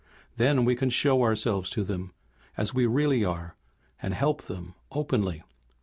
Then we can show ourselves to them as we really are, and help them openly."